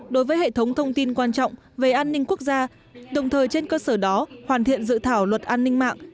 đối với hệ thống thông tin quan trọng về an ninh quốc gia đồng thời trên cơ sở đó hoàn thiện dự thảo luật an ninh mạng